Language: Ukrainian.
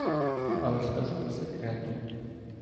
але скажу по секрету.